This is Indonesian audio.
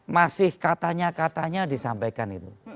jadi katanya katanya disampaikan itu